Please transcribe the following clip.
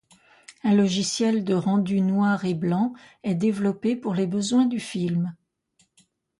Un logiciel de rendu noir et blanc est développé pour les besoins du film.